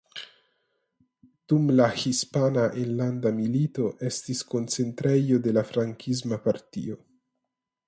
Dum la Hispana Enlanda Milito estis koncentrejo de la frankisma partio.